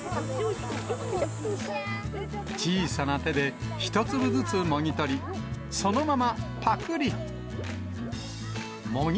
小さな手で１粒ずつもぎ取り、そのままぱくり。